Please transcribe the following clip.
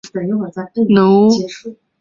充当日本军队的性奴隶